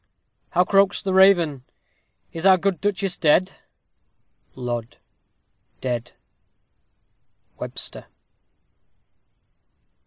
_ How croaks the raven? Is our good Duchess dead? Lod. Dead. WEBSTER.